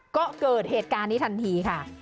ก็เกิดเหตุการณ์นี้ทันทีค่ะ